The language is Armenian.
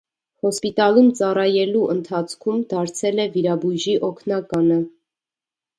Հոսպիտալում ծառայելու ընթացքում դարձել է վիրաբույժի օգնականը։